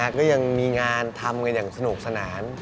ก็ยังมีงานทำกันอย่างสนุกสนาน